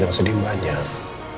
dan sedih banyak